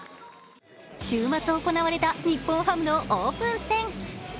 週末行われた日本ハムのオープン戦。